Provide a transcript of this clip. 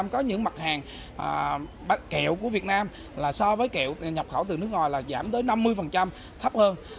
có những mặt hàng bánh kẹo của việt nam là so với kẹo nhập khẩu từ nước ngoài là giảm tới năm mươi thấp hơn